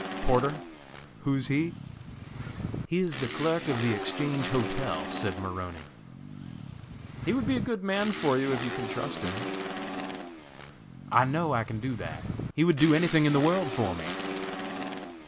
"Porter? who is he?" "He is the clerk of the Exchange Hotel," said Maroney. "He would be a good man for you if you can trust him." "I know I can do that! he would do anything in the world for me."